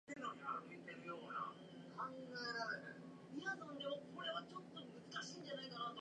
彼は吾輩の近づくのも一向心付かざるごとく、また心付くも無頓着なるごとく、大きな鼾をして長々と体を横えて眠っている